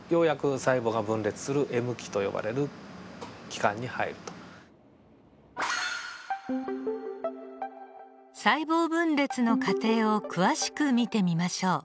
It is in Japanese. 細胞分裂の過程を詳しく見てみましょう。